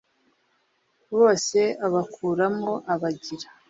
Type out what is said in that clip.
Bose abakuramo abagira